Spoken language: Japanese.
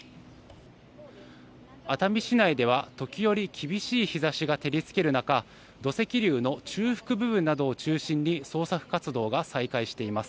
熱海市内では時折厳しい日差しが照りつける中土石流の中腹部分などを中心に捜索活動が再開しています。